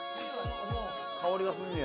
香りがすんねや。